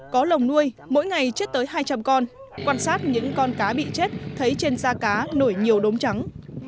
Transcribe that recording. có lồng nuôi mỗi ngày chết tới hai trăm linh con quan sát những con cá bị chết thấy trên da cá nổi nhiều đốm trắng